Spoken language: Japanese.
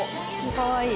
かわいい。